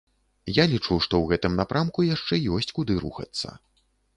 Я лічу, што ў гэтым напрамку яшчэ ёсць куды рухацца.